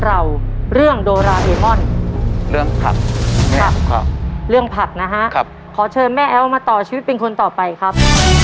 ไม่ได้ยูวงคละครับ